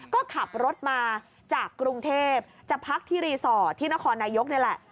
ก็ขับรถมาจากกรุงเทพจะพักที่รีสอร์ทที่นครนายกนี่แหละ